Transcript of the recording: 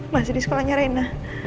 masih di sekolahnya reina